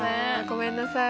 ごめんなさい。